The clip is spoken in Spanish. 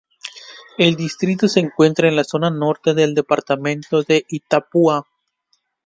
El distrito se encuentra en la zona norte del departamento de Itapúa.